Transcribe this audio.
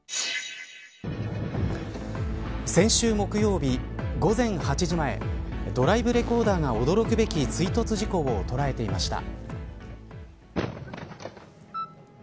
先週木曜日、午前８時前ドライブレコーダーが驚くべき追突事故をとらえていました。